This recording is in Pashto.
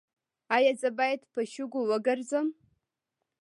ایا زه باید په شګو وګرځم؟